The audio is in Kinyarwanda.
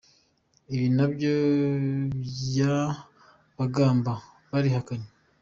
Ibi na byo Byabagamba yabihakanye.